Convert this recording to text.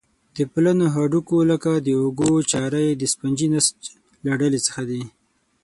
د پلنو هډوکو لکه د اوږو چارۍ د سفنجي نسج له ډلې څخه دي.